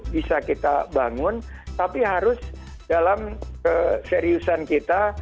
bisa kita bangun tapi harus dalam keseriusan kita